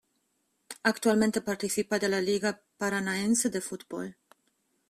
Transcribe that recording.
Actualmente participa de la Liga Paranaense de Fútbol.